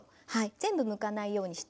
全部むかないようにして。